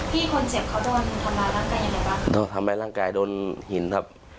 พี่คนเจ็บเขาโดนทำร้ายร่างกายยังไงบ้างต้องทำร้ายร่างกายโดนหินครับ